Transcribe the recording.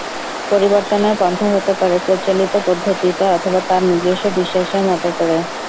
পরিবর্তনের পন্থা হতে পারে প্রচলিত পদ্ধতিতে অথবা তার নিজস্ব বিশ্বাসের মতো করে।